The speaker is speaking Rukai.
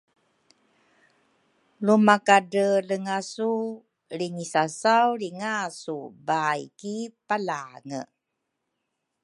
lumakadreelenga su lri ngisasaulringa su baai ki Palange